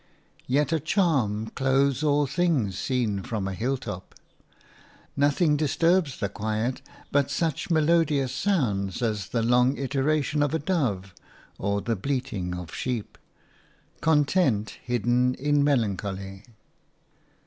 Yet a charm clothes all things seen from a hilltop. Nothing disturbs the quiet but such melodious sounds as the long iteration of a dove or the bleating of sheep – content hidden in melancholy.